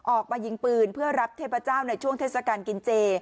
ออกมายิงปืนเพื่อรับเทพเจ้าในช่วงเทศกาลกินเจ